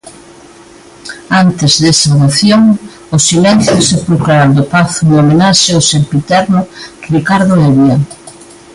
Antes desa ovación, o silencio sepulcral do Pazo en homenaxe ao sempiterno Ricardo Hevia.